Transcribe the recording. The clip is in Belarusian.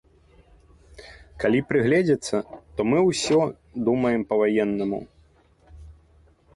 Калі прыгледзецца, то мы ўсё думаем па-ваеннаму.